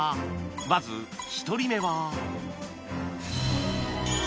まず１人目は